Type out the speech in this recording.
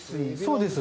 そうです。